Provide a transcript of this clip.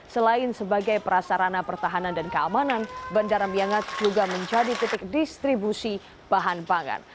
selain sebagai prasarana pertahanan dan keamanan bandara miangas juga menjadi titik distribusi bahan pangan